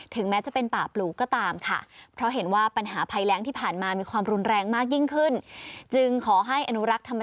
ถึงแม้จะเป็นปราบลูก็ตามว่าปัญหาภัยแรงที่ผ่านมามีความรุนแรงมากยิ่งขึ้น